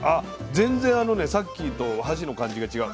全然さっきと箸の感じが違う。